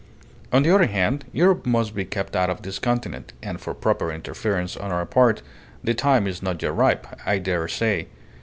On the other hand, Europe must be kept out of this continent, and for proper interference on our part the time is not yet ripe, I dare say.